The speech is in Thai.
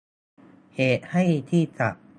เหตุให้ที่จัด